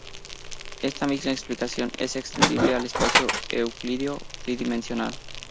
Esta misma explicación es extensible al espacio euclídeo tridimensional.